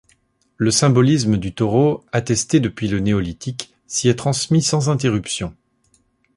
Le symbolisme du taureau attesté depuis le Néolithique s’y est transmis sans interruption.